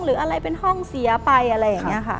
หรืออะไรเป็นห้องเสียไปอะไรอย่างนี้ค่ะ